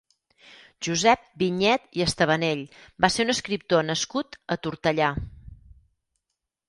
Josep Vinyet i Estebanell va ser un escriptor nascut a Tortellà.